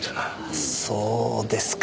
あそうですか。